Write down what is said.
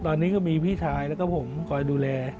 ตอนนี้ก็มีพี่ชายแล้วก็ผมคอยดูแล